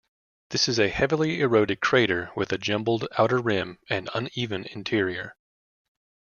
This is a heavily eroded crater with a jumbled outer rim and uneven interior.